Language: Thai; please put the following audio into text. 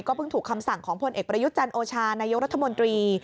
เพิ่งถูกคำสั่งของพลเอกประยุทธ์จันโอชานายกรัฐมนตรี